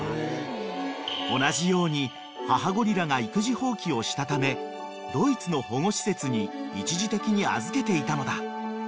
［同じように母ゴリラが育児放棄をしたためドイツの保護施設に一時的に預けていたのだ］